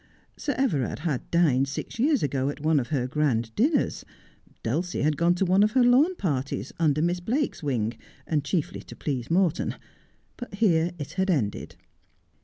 Sir Everard had dined six years ago at one of her grand dinners. Dulcie had gone to one of her lawn parties, under Miss Blake's wing, and chiefly to please Morton ; but here it had ended.